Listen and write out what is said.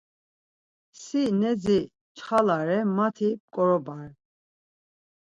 Si nedzi nçxalare, mati p̌ǩorobare.